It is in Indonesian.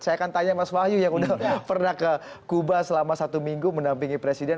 saya akan tanya mas wahyu yang udah pernah ke kuba selama satu minggu menampingi presiden